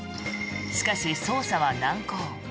しかし、捜査は難航。